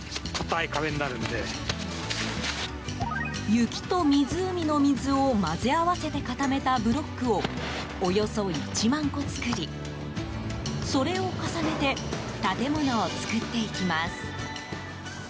雪と湖の水を混ぜ合わせて固めたブロックをおよそ１万個作りそれを重ねて建物を作っていきます。